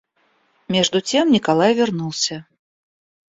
Между тем Николай вернулся.